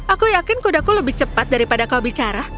aku yakin kudaku lebih cepat daripada kau bicara